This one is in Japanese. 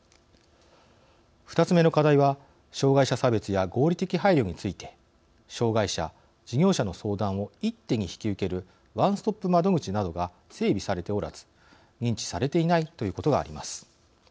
２つ目の課題は障害者差別や合理的配慮について障害者事業者の相談を一手に引き受けるワンストップ窓口などが整備されておらず認知されていないということがあります。